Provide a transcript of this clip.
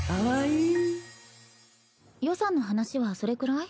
予算の話はそれくらい？